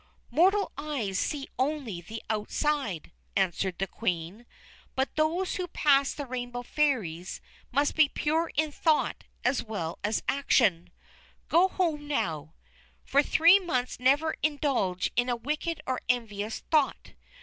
"Mortal eyes see only the outside," answered the Queen. "But those who pass the Rainbow Fairies must be pure in thought as well as action. Go home now. For three months never indulge in a wicked or envious thought.